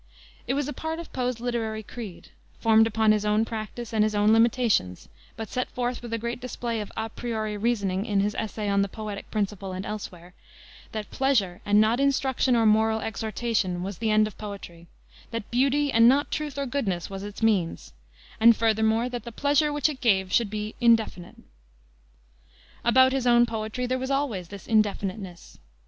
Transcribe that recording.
It was a part of Poe's literary creed formed upon his own practice and his own limitations, but set forth with a great display of a priori reasoning in his essay on the Poetic Principle and elsewhere that pleasure and not instruction or moral exhortation was the end of poetry; that beauty and not truth or goodness was its means; and, furthermore, that the pleasure which it gave should be indefinite. About his own poetry there was always this indefiniteness.